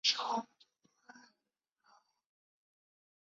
战斗以团派全胜结束。